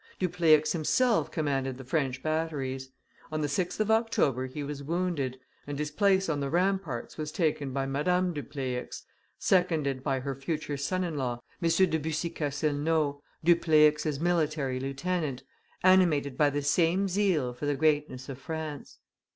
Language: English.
Dupleix himself commanded the French batteries; on the 6th of October he was wounded, and his place on the ramparts was taken by Madame Dupleix, seconded by her future son in law, M. de Bussy Castelnau, Dupleix's military lieutenant, animated by the same zeal for the greatness of France.